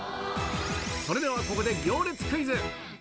それではここで行列クイズ。